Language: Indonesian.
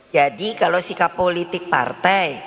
jadi kalau sikap politik partai